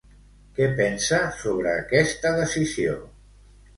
Què pensa sobre aquesta decisió?